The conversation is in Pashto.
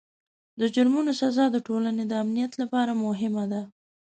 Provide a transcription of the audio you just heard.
د جرمونو سزا د ټولنې د امنیت لپاره مهمه ده.